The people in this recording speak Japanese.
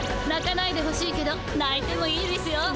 なかないでほしいけどないてもいいですよ。